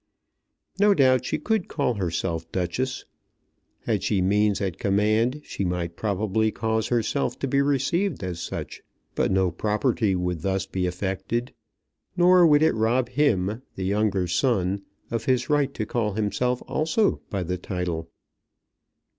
No doubt she could call herself Duchess. Had she means at command she might probably cause herself to be received as such. But no property would thus be affected, nor would it rob him, the younger son, of his right to call himself also by the title.